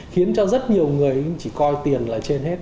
khiến cho rất nhiều người chỉ coi tiền là trên hết